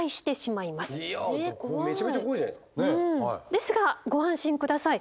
ですがご安心下さい。